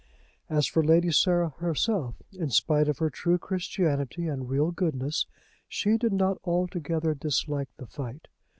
As for Lady Sarah herself, in spite of her true Christianity and real goodness, she did not altogether dislike the fight.